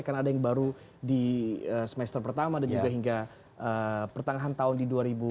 karena ada yang baru di semester pertama dan juga hingga pertengahan tahun di dua ribu delapan belas